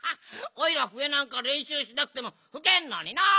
おいらはふえなんかれんしゅうしなくてもふけんのにな。